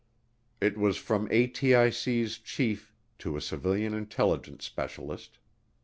It was from ATIC's chief to a civilian intelligence specialist.